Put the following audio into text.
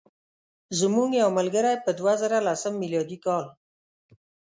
زموږ یو ملګری په دوه زره لسم میلادي کال.